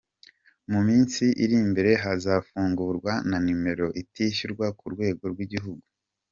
Mu minsi iri imbere hazafungurwa na nimero itishyurwa ku rwego rw’igihugu.